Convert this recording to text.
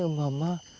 oh lokasi ini